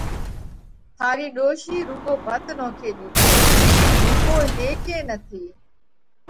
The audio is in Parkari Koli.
ٿارِي ڏوشِي رُوڳو ڀت نوکي ۮِيڌوه۔ ڀُوڪو هيڪ ئي نٿِي۔”